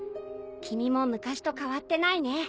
君も昔と変わってないね。